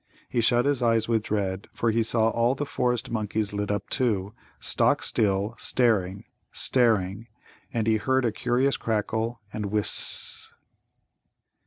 He shut his eyes with dread, for he saw all the forest monkeys lit up too, stock still, staring, staring; and he heard a curious crackle and whs s s ss.